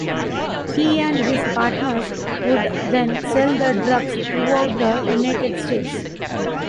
He and his partners would then sell the drugs throughout the United States.